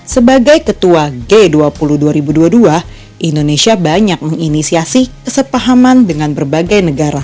sebagai ketua g dua puluh dua ribu dua puluh dua indonesia banyak menginisiasi kesepahaman dengan berbagai negara